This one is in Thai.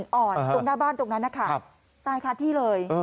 ตรงหน้าบ้านตรงนั้นนะคะตายคาที่เลย